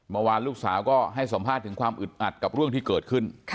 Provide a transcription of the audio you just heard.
เมื่อวานลูกสาวก็ให้สัมภาษณ์ถึงความอึดอัดกับเรื่องที่เกิดขึ้น